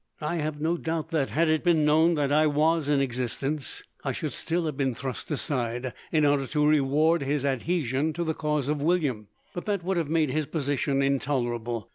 "I have no doubt that, had it been known that I was in existence, I should still have been thrust aside in order to reward his adhesion to the cause of William, but that would have made his position intolerable.